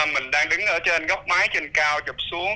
mình đang đứng ở trên góc mái trên cao trục xuống